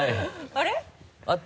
あれ？